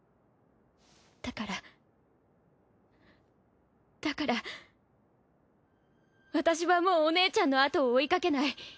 だからだから私はもうお姉ちゃんのあとを追いかけない！